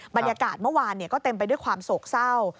บรรยากาศเมื่อวานก็เต็มไปด้วยความโศกเศร้า